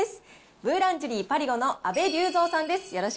ブーランジュリー・パリゴの安倍竜三さんです。